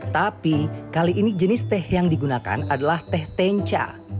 tapi kali ini jenis teh yang digunakan adalah teh tenca